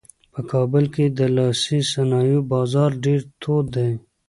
په کابل کې د لاسي صنایعو بازار ډېر تود دی.